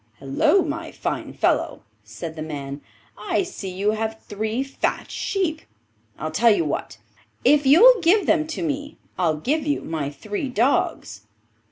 'Hullo, my fine fellow,' said the man, 'I see you have three fat sheep. I'll tell you what; if you'll give them to me, I'll give you my three dogs.